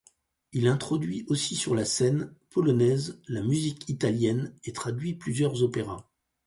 Il introduit aussi sur la scène polonaise la musique italienne et traduit plusieurs opéras.